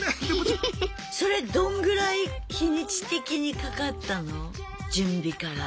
それどんぐらい日にち的にかかったの？準備から。